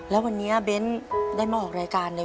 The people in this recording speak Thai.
แล้ววันนี้เบ้นได้มาออกรายการเลย